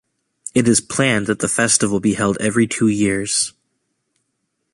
It is planned that the festival be held every two years.